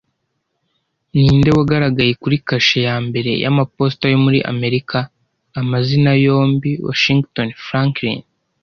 Ninde wagaragaye kuri kashe ya mbere y’amaposita yo muri Amerika (amazina yombi) Washington - Franklin